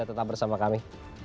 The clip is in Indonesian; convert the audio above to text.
tetap bersama kami